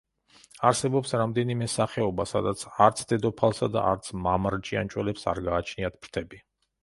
არსებობს რამდენიმე სახეობა, სადაც არც დედოფალს და არც მამრ ჭიანჭველებს არ გააჩნიათ ფრთები.